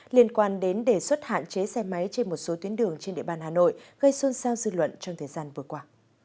liên quan đến đề xuất hạn chế xe máy trên một số tuyến đường trên địa bàn hà nội gây xôn xao dư luận trong thời gian vừa qua